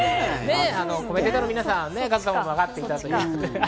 コメンテーターの皆さんはわかっていたということです。